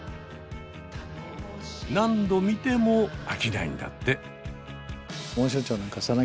何度見ても飽きないんだって。